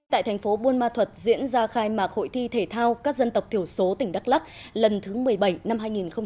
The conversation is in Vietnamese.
tại thành phố buôn ma thuật diễn ra khai mạc hội thi thể thao các dân tộc thiểu số tỉnh đắk lắc lần thứ một mươi bảy năm hai nghìn một mươi chín